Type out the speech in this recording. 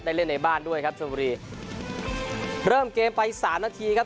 เล่นในบ้านด้วยครับชนบุรีเริ่มเกมไปสามนาทีครับ